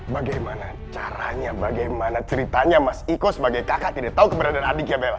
bagaimana caranya bagaimana ceritanya mas iko sebagai kakak tidak tahu keberadaan adiknya bella